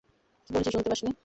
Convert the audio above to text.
কী বলেছি শুনতে পাসনি?